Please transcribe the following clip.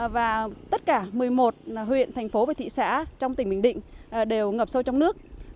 và tất cả một mươi một huyện thành phố và thị xã trong tỉnh bình định đều ngập sâu trong nước